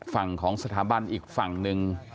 ฝั่งของสถาบันอีกฝั่งหนึ่ง